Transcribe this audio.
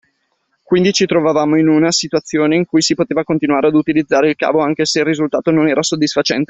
Quindi ci trovavamo in una situazione in cui si poteva continuare ad utilizzare il cavo anche se il risultato non era soddisfacente.